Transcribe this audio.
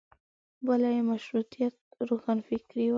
بله یې مشروطیه روښانفکري وه.